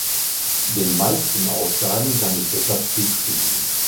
Den meisten Aussagen kann ich deshalb zustimmen.